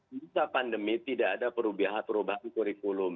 sejak pandemi tidak ada perubahan kurikulum